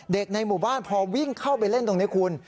ในหมู่บ้านพอวิ่งเข้าไปเล่นตรงนี้คุณ